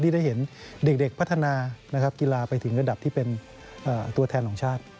ได้เห็นเด็กพัฒนากีฬาไปถึงระดับที่เป็นตัวแทนของชาติ